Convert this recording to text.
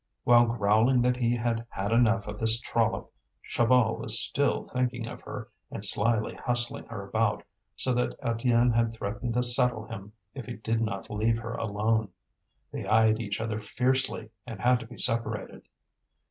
While growling that he had had enough of this trollop, Chaval was still thinking of her, and slyly hustling her about, so that Étienne had threatened to settle him if he did not leave her alone. They eyed each other fiercely, and had to be separated.